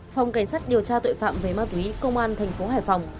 phòng cảnh sát điều tra tội phạm về ma túy công an thành phố hải phòng